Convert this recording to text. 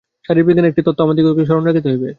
শারীরবিজ্ঞানের একটি তত্ত্ব আমাদিগকে স্মরণ রাখিতে হইবে।